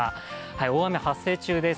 大雨発生中です。